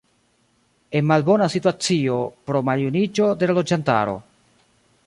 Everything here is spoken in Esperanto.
En malbona situacio pro maljuniĝo de la loĝantaro.